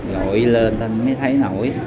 gọi lên thì mới thấy nổi